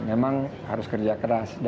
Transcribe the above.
memang harus kerja keras